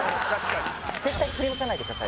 絶対振り向かないでください。